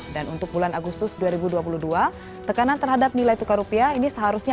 dan untuk bulan agustus dua ribu dua puluh dua tekanan terhadap nilai tukar rupiah ini seharusnya